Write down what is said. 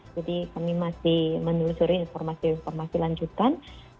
jadi kami masih menelusuri informasi informasi lanjutan